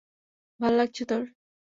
ভালো লাগছে তোর?